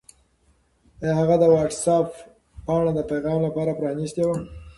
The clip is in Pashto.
آیا هغه د وټس-اپ پاڼه د پیغام لپاره پرانستې وه؟